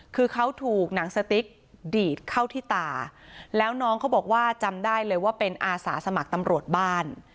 คือเขาถูกหนังสติ๊กดีดเข้าที่ตาแล้วน้องเขาบอกว่าจำได้เลยว่าเป็นอาสาสมัครตำรวจบ้าน